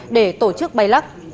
để tổ chức bày lạc